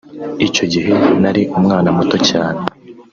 icyo gihe nari umwana muto cyane